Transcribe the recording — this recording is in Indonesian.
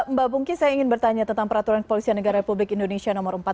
mbak pungki saya ingin bertanya tentang peraturan kepolisian negara republik indonesia nomor empat puluh